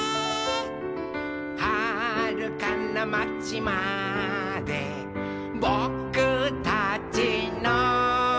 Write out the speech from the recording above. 「はるかなまちまでぼくたちの」